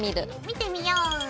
見てみよう！